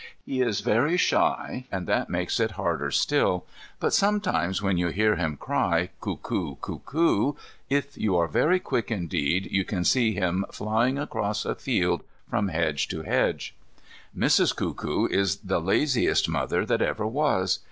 He is very shy, and that makes it harder still. But sometimes when you hear him cry, cuckoo, cuckoo, if you are very quick indeed, you can see him flying across a field from hedge to hedge. Mrs. Cuckoo is the laziest mother that ever was.